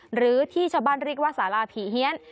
หรือที่ชาวบ้านเรียกว่าสาราผีเฮียน